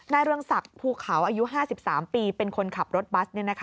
เรืองศักดิ์ภูเขาอายุ๕๓ปีเป็นคนขับรถบัส